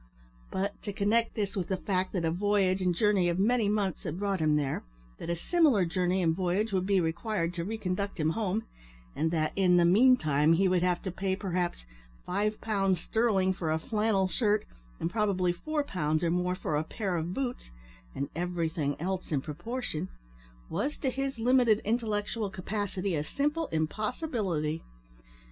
But to connect this with the fact that a voyage and journey of many months had brought him there; that a similar journey and voyage would be required to reconduct him home; and that in the meantime he would have to pay perhaps five pounds sterling for a flannel shirt, and probably four pounds or more for a pair of boots, and everything else in proportion, was to his limited intellectual capacity a simple impossibility.